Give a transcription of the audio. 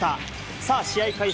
さあ試合開始